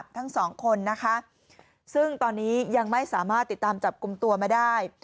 ทั้งสองคนนะคะซึ่งตอนนี้ยังไม่สามารถติดตามจับกลุ่มตัวมาได้